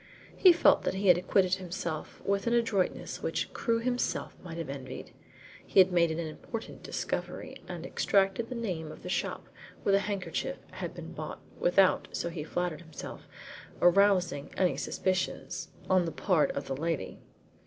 He felt that he had acquitted himself with an adroitness which Crewe himself might have envied. He had made an important discovery and extracted the name of the shop where the handkerchief had been bought without so he flattered himself arousing any suspicions on the part of the lady.